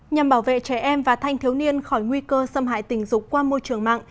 nhằm bảo vệ trẻ em và thanh thiếu niên khỏi nguy cơ xâm hại tình dục qua môi trường mạng